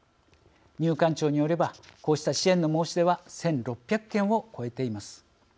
入管庁によればこうした支援の申し出は１６００件を超えています。